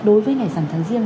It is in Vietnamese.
đối với ngày dằn tháng riêng